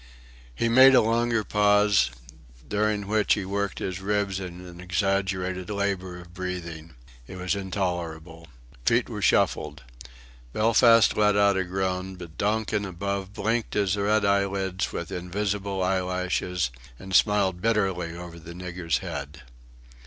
He made a longer pause, during which he worked his ribs in an exaggerated labour of breathing. It was intolerable. Feet were shuffled. Belfast let out a groan; but Donkin above blinked his red eyelids with invisible eyelashes, and smiled bitterly over the nigger's head.